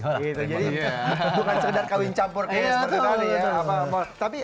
jadi bukan sekedar kawin campur seperti tadi ya